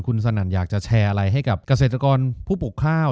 คุณสนั่นอยากจะแชร์อะไรให้กับเกษตรกรผู้ปลูกข้าว